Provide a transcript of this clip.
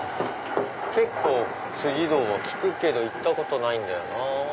結構堂は聞くけど行ったことないんだよな。